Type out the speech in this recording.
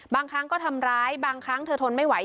บางครั้งก็ทำร้ายบางครั้งเธอทนไม่ไหว